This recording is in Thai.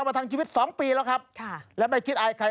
มากมันทางชีวิต๒ปีแล้วครับแล้วไม่คิดอายใคร